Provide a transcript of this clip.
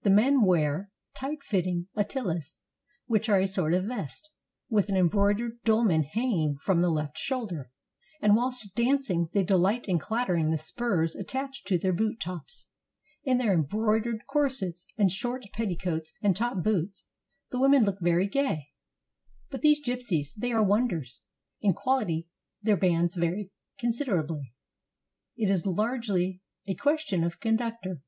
The men wear tight fitting attilas, which are a sort of vest, with an em broidered dolman hanging from the left shoulder, and whilst dancing they delight in clattering the spurs at tached to their boot tops. In their embroidered corsets and short petticoats and top boots the women look very gay. But these gypsies — they are wonders. In quality their bands vary considerably. It is largely a question of conductor.